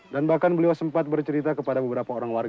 dan bahkan beliau sempat bercerita kepada beberapa orang warung